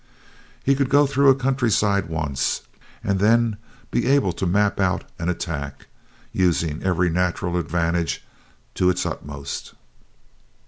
He could go through a countryside once, and then be able to map out an attack using every natural advantage to its utmost.